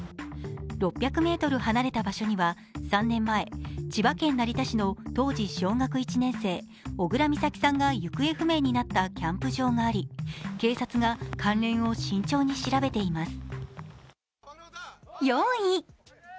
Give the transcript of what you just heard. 離れた場所には、３年前千葉県成田市の当時小学１年生、小倉美咲さんが行方不明になったキャンプ場があり、警察が関連を慎重に調べています。